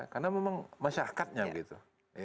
karena memang masyarakatnya begitu